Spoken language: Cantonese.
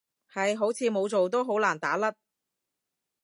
係，好似冇做都好難打甩